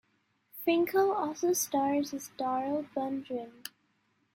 Franco also stars as Darl Bundren.